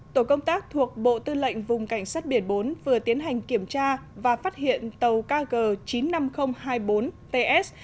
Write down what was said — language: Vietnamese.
tổ công tác thuộc bộ tư lệnh vùng cảnh sát biển bốn vừa tiến hành kiểm tra và phát hiện tàu kg chín mươi năm nghìn hai mươi bốn ts